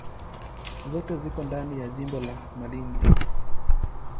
Zote ziko ndani ya jimbo la Malindi.